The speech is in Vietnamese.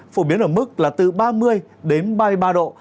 phổ biến ở mức là từ ba mươi đến ba mươi ba độ